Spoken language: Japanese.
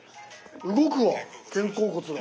動くわ肩甲骨が。